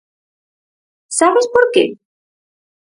Sabes por que?